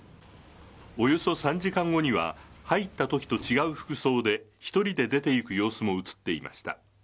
およそ３時間後には、入ったときと違う服装で、１人で出ていく様子も写っていました。